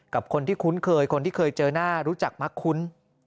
กับคนที่คุ้นเคยคนที่เคยเจอหน้ารู้จักมักคุ้น